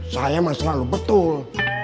saya mah selalu betul